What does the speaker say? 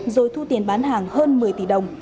rồi thu tiền bán hàng hơn một mươi tỷ đồng